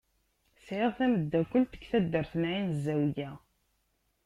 Sɛiɣ tameddakelt deg taddart n Ɛin Zawiya.